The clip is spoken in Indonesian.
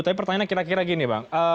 tapi pertanyaannya kira kira gini bang